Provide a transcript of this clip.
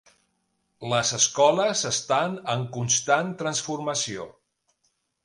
Les escoles estan en constant transformació.